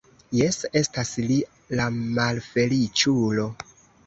Jes, estas li, la malfeliĉulo.